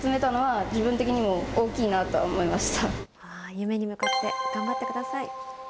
夢に向かって頑張ってください。